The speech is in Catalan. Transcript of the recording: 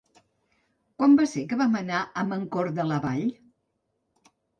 Quan va ser que vam anar a Mancor de la Vall?